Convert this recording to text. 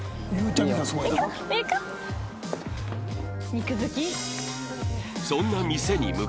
肉好き？